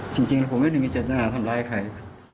จริงผมไม่มีเจ้าหน้าทำร้ายใคร